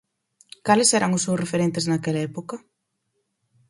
Cales eran os seus referentes naquela época?